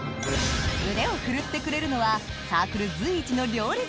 腕を振るってくれるのはサークル随一の料理